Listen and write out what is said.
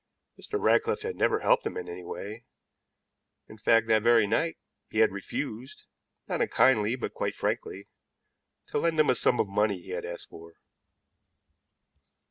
Mr. Ratcliffe had never helped him in any way; in fact, that very night he had refused, not unkindly but quite frankly, to lend him a sum of money he had asked for.